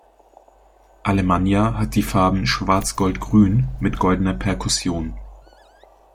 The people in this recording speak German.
Alemannia hat die Farben „schwarz-gold-grün“ mit goldener Perkussion.